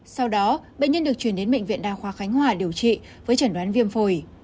sau đó bệnh nhân được chuyển đến bệnh viện đa khoa khánh hòa điều trị với chẩn đoán viêm phổi